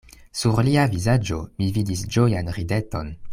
Sur lia vizaĝo mi vidis ĝojan rideton.